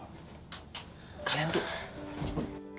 lo gak usah banyak tingkah